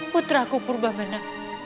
putraku purba mena